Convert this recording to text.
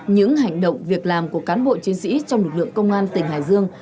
những hành động việc làm của cán bộ chiến sĩ trong lực lượng công an tỉnh hải dương